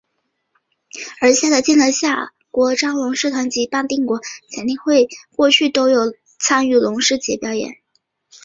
而夏德健的夏国璋龙狮团及谭定邦的香港发强体育总会过去都有参与龙狮节表演。